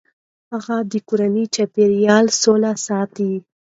هغې د کورني چاپیریال سوله ساتي.